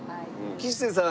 吉瀬さん